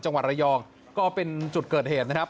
จังหวัดระยองก็เป็นจุดเกิดเหตุนะครับ